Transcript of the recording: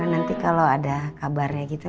nanti kalau ada kabarnya gitu